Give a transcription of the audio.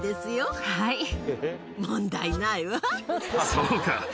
そうか。